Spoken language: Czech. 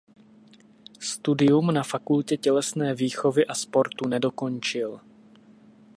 Studium na Fakultě tělesné výchovy a sportu nedokončil.